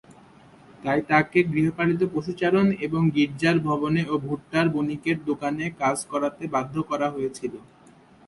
তাই তাকে গৃহপালিত পশু চারণ এবং গির্জার ভবনে ও ভুট্টার বণিকের দোকানে কাজ করাতে বাধ্য করা হয়েছিল।